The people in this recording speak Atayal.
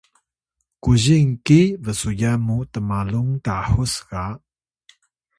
kuzing ki bsuyan muw tmalung Tahus ga